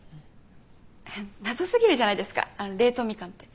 謎すぎるじゃないですか冷凍みかんって。